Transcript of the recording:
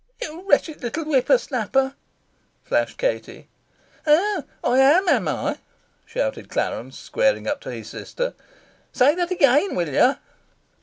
"You wretched little whipper snapper!" flashed Katie. "Oh, I am, am I?" shouted Clarence, squaring up to his sister. "Say that again, will you?"